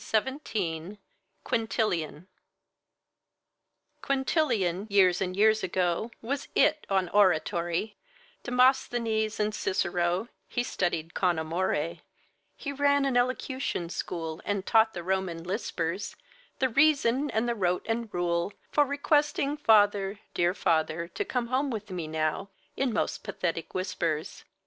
QUINTILIAN Quintilian, years and years ago, Was It on oratory; Demosthenes and Cicero He studied con amore; He ran an elocution school And taught the Roman lispers The reason and the rote and rule For requesting father, dear father, to come home with me now, in most pathetic whispers.